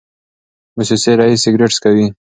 موسسې رییس سګرټ څکوي.